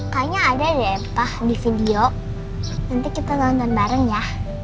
kayaknya ada deh pak di video nanti kita nonton bareng ya